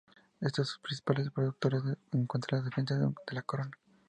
Entre sus principales productos se encuentra el Defensor de la Corona.